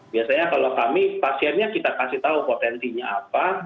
biasanya kalau kami pasiennya kita kasih tahu potensinya apa